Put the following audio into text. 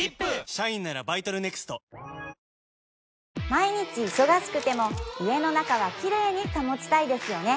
毎日忙しくても家の中はキレイに保ちたいですよね